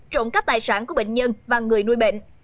trộm cắp tài sản của bệnh nhân và người nuôi bệnh